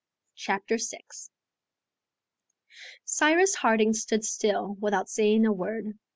Chapter 6 Cyrus Harding stood still, without saying a word.